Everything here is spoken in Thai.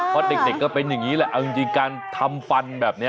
เพราะเด็กก็เป็นอย่างนี้แหละเอาจริงการทำฟันแบบนี้